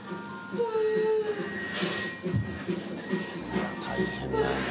いや、大変だよね。